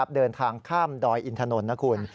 เดินทางข้ามดอยอินถนนนะคุณ